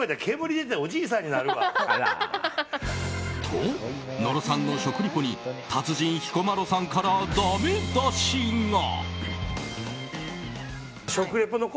と、野呂さんの食リポに達人・彦摩呂さんからダメ出しが。